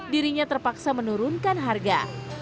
dirinya terpaksa menurunkan harga